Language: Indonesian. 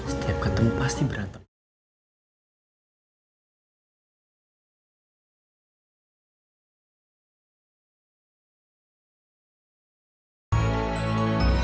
setiap ketemu pasti berantem